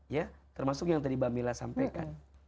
ya termasuk yang tadi bambila sampaikan